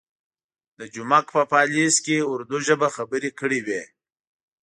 د جومک په پالیز کې اردو ژبه خبرې کړې وې.